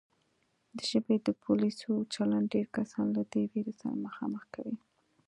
د ژبې د پولیسو چلند ډېر کسان له دې وېرې سره مخامخ کوي